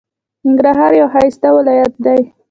ننګرهار یو ښایسته ولایت دی.